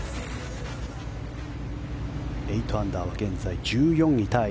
８アンダーは現在、１４位タイ。